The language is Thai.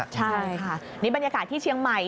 ใช่ค่ะนี่บรรยากาศที่เชียงใหม่